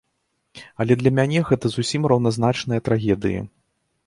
Але для мяне гэта зусім раўназначныя трагедыі.